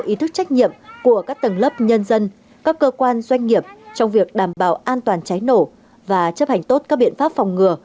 ý thức trách nhiệm của các tầng lớp nhân dân các cơ quan doanh nghiệp trong việc đảm bảo an toàn cháy nổ và chấp hành tốt các biện pháp phòng ngừa